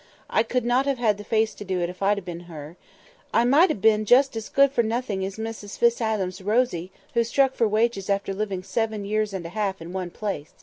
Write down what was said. I could not have had the face to do it, if I'd been her. I might ha' been just as good for nothing as Mrs Fitz Adam's Rosy, who struck for wages after living seven years and a half in one place.